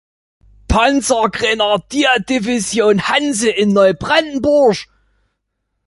Panzergrenadierdivision „Hanse“ in Neubrandenburg.